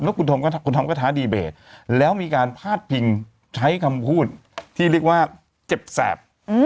แล้วคุณธอมก็ท้าดีเบตแล้วมีการพาดพิงใช้คำพูดที่เรียกว่าเจ็บแสบ